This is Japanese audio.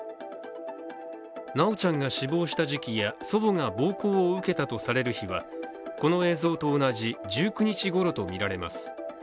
修ちゃんが死亡した時期や祖母が暴行を受けたとされる日は、この映像と同じ１９日ごろとみられます。